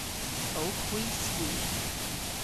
Owgh hwi skwith?